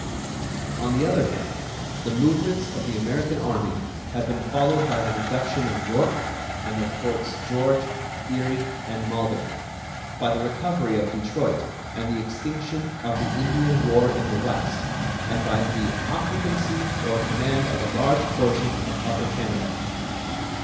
On the other hand, the movements of the American Army have been followed by the reduction of York, and of Forts George, Erie, and Malden; by the recovery of Detroit and the extinction of the Indian war in the West, and by the occupancy or command of a large portion of Upper Canada.